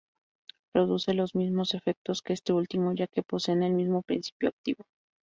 Produce los mismos efectos que este último, ya que poseen el mismo principio activo.